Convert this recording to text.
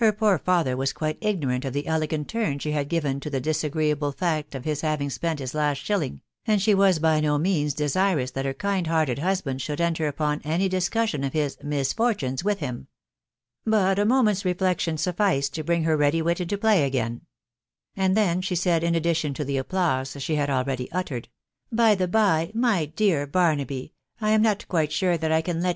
poor father was quite ignorant* of. the elegant turn she had* given to 'the disagreeable fact of his having 'spent'his< last'shil* ' ling, and she waa by no means* desinror that her kind hearted husband should enter upon any discrrssioffof his^'Vw^brf^TWje^ with* him: But a moment^ reflection sufficed7 to bring her* ready i wit1 into* play again ; and then she' said; in addition • to>> tbe appsause'she hadalreadjr uttered}: — "By the*by> ray dear* Hornby; I am not qrritfr sure that I camlet?